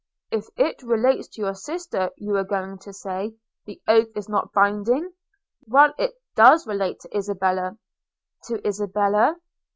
'If it relates to your sisters, you were going to say, the oath is not binding – Well, it does relate to Isabella!' 'To Isabella?'